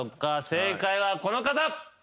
正解はこの方。